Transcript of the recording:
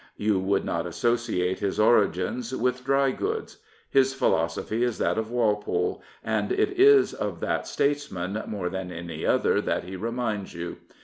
You would not associate his origins with dry goods. His philosophy is that of Walpole, and it is of that statesman more than any other that he reminds you.